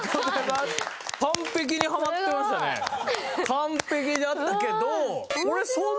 完璧だったけど。